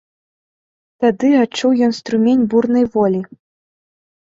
Тады адчуў ён струмень бурнай волі.